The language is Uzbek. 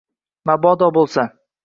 Mabodo bo‘lsa